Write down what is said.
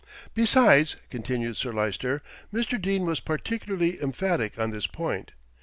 "Besides," continued Sir Lyster, "Mr. Dene was particularly emphatic on this point.